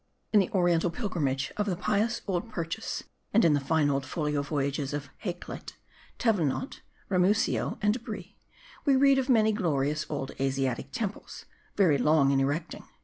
IN the oriental Pilgrimage of the pious old Purchas, and in the fine old folio Voyages of Hakluyt, Thevenot, Ra musio, and De Bry, we read of many glorious old Asiatic temples, very long in erecting.